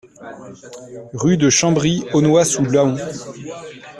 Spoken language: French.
Rue de Chambry, Aulnois-sous-Laon